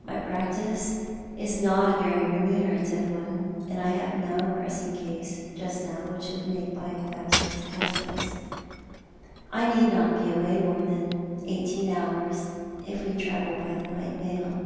My practice is not a very remunerative one, and I have no pressing case just now wliich would uiako my absence hazanlous. I need not be away more than eighteen hours, if wo travel by the night mail."